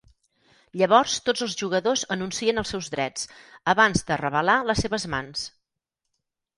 Llavors tots els jugadors anuncien els seus drets, abans de revelar les seves mans.